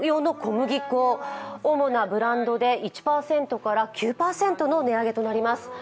主なブランドで１％から９％の値上げとなります。